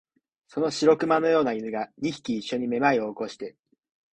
その白熊のような犬が、二匹いっしょにめまいを起こして、